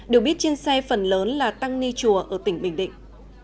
được biết trên xe phần lớn là tăng ni chùa ở tỉnh bình định